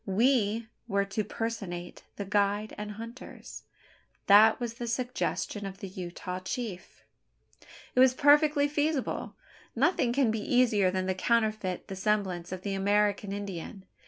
We were to personate the guide and hunters. That was the suggestion of the Utah chief! It was perfectly feasible. Nothing can be easier than to counterfeit the semblance of the American Indian.